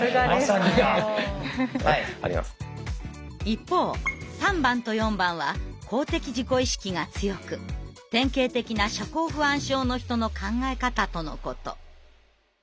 一方３番と４番は公的自己意識が強く典型的な社交不安症の人の考え方とのこと。